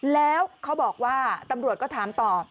แล้วเขาบอกว่าตำรวจก็ถามต่อ